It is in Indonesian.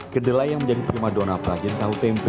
kedelai yang menjadi prima dona prajenta ump